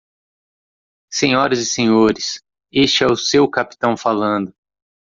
Senhoras e senhores, este é o seu capitão falando.